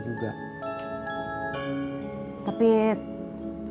berarti maakang juga